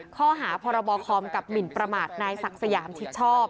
ข้อหาพรบคอมกับหมินประมาทนายศักดิ์สยามชิดชอบ